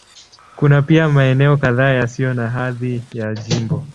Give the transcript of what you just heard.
Kuna pia maeneo kadhaa yasiyo na hadhi ya jimbo.